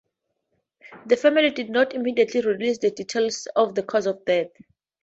The family did not immediately release the details of the cause of death.